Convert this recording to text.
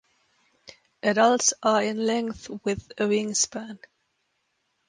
Adults are in length with a wingspan.